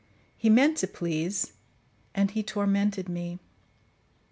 He meant to please, and he tormented me.